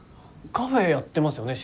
カフェやってますよね